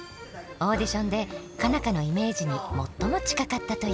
オーディションで佳奈花のイメージに最も近かったという。